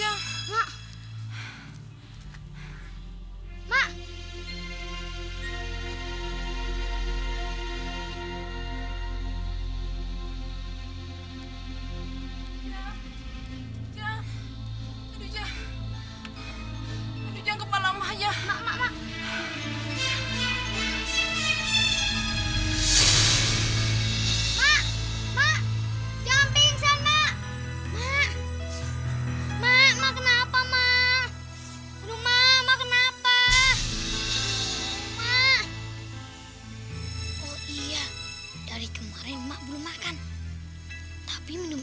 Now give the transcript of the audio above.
aku akan membuangmu kekali